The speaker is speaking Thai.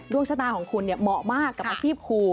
ดวงชะตาของคุณเหมาะมากกับอาชีพครู